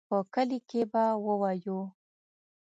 په کلي کښې به ووايو.